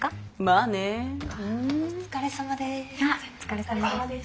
あっお疲れさまです。